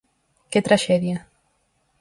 Que traxedia.